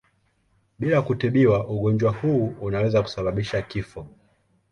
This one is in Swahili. Bila kutibiwa ugonjwa huu unaweza kusababisha kifo.